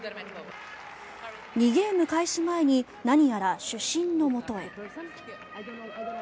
２ゲーム開始前に何やら主審のもとへ。